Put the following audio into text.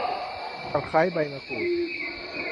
ตะไคร้ใบมะกรูด